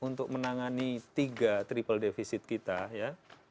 untuk menangani tiga triple defisit kita ya